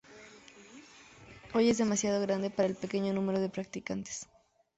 Hoy es demasiado grande para el pequeño número de practicantes.